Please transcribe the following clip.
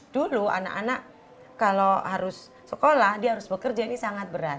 dulu anak anak kalau harus sekolah dia harus bekerja ini sangat berat